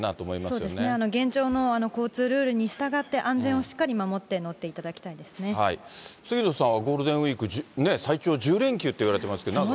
そうですね、現状の交通ルールに従って、安全をしっかり守っ杉野さんはゴールデンウィーク、最長１０連休っていわれてますけど。